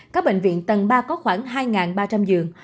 các bệnh viện tầng ba có khoảng hai ba trăm linh giường